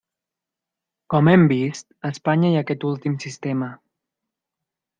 Com hem vist, a Espanya hi ha aquest últim sistema.